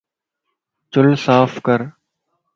چُلَ صاف ڪر